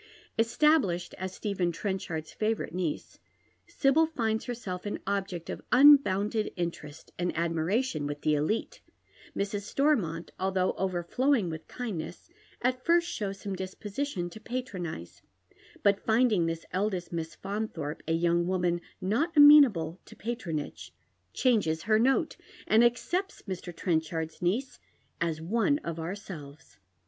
Established as Stephen Tretichard's favouiite niece, Sibyl find» herself an ol)ject of unbounded interest and admiration with the elite. Mrs. Stormont, although overflowing with kindness, at first ehows some disposition to patronize, but finding this eldest Miss Faunthorpe a young woman not amenable to patronage, changes ber note and accepts Mr. Trenchard's niece as " one of ourselves."